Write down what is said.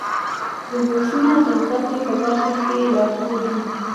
روبوټونه د زدهکړې په برخه کې لارښود وي.